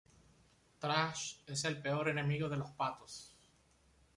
Thrash es el peor enemigo de los patos.